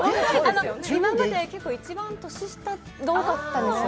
今まで結構一番年下が多かったんですよ